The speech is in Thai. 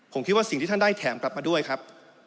ผมคิดว่าสิ่งที่ท่านได้แถมกลับมาด้วยครับ